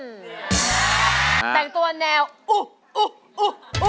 แต่งตัวแนวอุ๊ะอุ๊ะอุ๊ะ